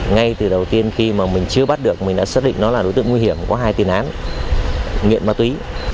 ngay từ đầu tiên khi mà mình chưa bắt được mình đã xác định nó là đối tượng nguy hiểm có hai tiền án nghiện ma túy